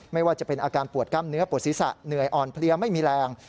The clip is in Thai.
ไม่ว่าจะเป็นอาการปวดกล้ามเนื้อปวดศีรษะเหนื่อยอ่อนเพลียไม่มีแรง